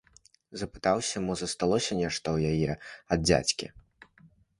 Запытаўся, мо засталося нешта ў яе ад дзядзькі.